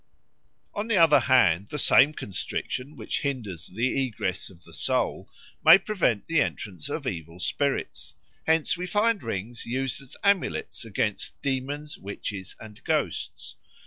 On the other hand, the same constriction which hinders the egress of the soul may prevent the entrance of evil spirits; hence we find rings used as amulets against demons, witches, and ghosts.